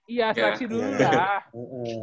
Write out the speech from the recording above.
iya seleksi dulu dah